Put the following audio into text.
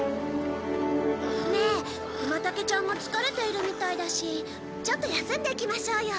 ねえウマタケちゃんも疲れているみたいだしちょっと休んでいきましょうよ。